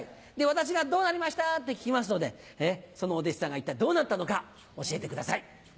私が「どうなりました？」って聞きますのでそのお弟子さんが一体どうなったのか教えてください。